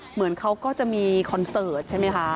เหมือนเขาก็จะมีคอนเสิร์ตใช่ไหมคะ